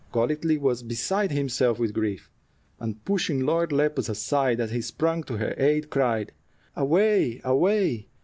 Golightly was beside himself with grief, and pushing Lord Lepus aside as he sprang to her aid, cried, "Away! away!